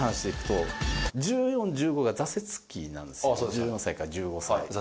１４歳か１５歳。